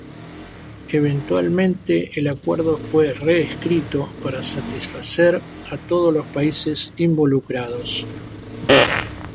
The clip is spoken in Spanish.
Eventualmente el acuerdo fue reescrito para satisfacer a todos los países involucrados.